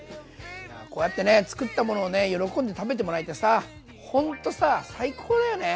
こうやってね作ったものを喜んで食べてもらえてさほんと最高だよね。